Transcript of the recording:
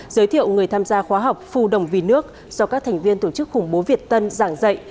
giới thiệu người tham gia khóa học phu đồng vì nước do các thành viên tổ chức khủng bố việt tân giảng dạy